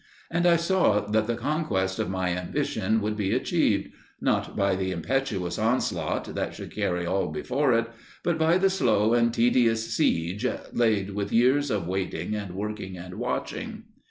And I saw that the conquest of my ambition would be achieved, not by the impetuous onslaught that should carry all before it, but by the slow and tedious siege, laid with years of waiting and working and watching.